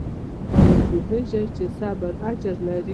ایا پوهیږئ چې صبر اجر لري؟